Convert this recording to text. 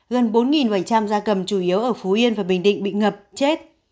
gần bốn bảy trăm linh gia cầm chủ yếu ở phú yên và bình định bị ngập chết